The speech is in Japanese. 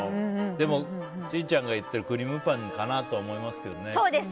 でも、千里ちゃんが言ってるクリームパンかなって思いますけどね。